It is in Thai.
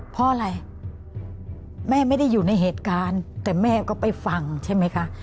เพราะอะไรแม่ไม่ได้อยู่ในเหตุการณ์แต่แม่ก็ไปฟังใช่ไหมคะ